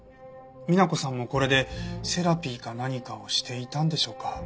美那子さんもこれでセラピーか何かをしていたんでしょうか？